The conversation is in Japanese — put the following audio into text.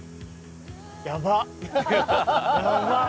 やばっ！